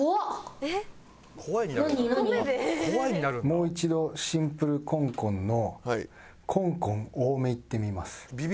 もう一度シンプルコンコンのコンコン多めいってみます。